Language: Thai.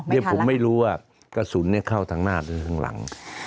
นี่ผมไม่รู้ว่ากระสุนเข้าทางหน้าหรือทางหลัง